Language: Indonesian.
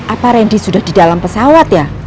apa randy sudah di dalam pesawat ya